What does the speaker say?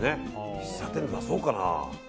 喫茶店で出そうかな。